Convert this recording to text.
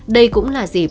đây cũng là dịp